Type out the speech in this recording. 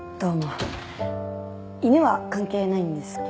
犬は関係ないんですけど。